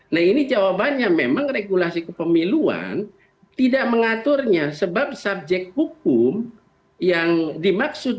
nah ini jawabannya memang regulasi kepemiluan tidak mengaturnya sebab subjek hukum yang dimaksud